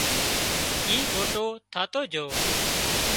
اي موٽو ٿاتو جھو